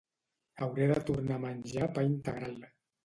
Hauré de tornar a menjar pa integral